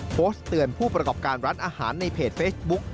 โพสต์เตือนผู้ประกอบการร้านอาหารในเพจเฟซบุ๊ก